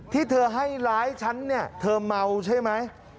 ที่เธอให้ร้ายฉันเนี่ยเธอเมาใช่ไหม